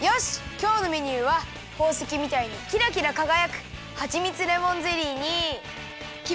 きょうのメニューはほうせきみたいにキラキラかがやくはちみつレモンゼリーにきまり！